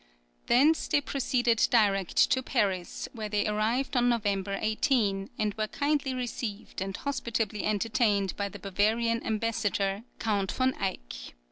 Thence they proceeded direct to Paris, where they arrived on November 18, and were kindly received and hospitably entertained by the Bavarian ambassador, Count von Eyck.